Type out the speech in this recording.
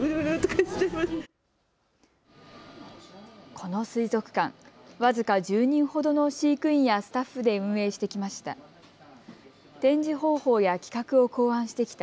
この水族館、僅か１０人ほどの飼育員やスタッフで運営してきました。